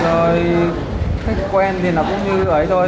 rồi khách quen thì nó cũng như ấy thôi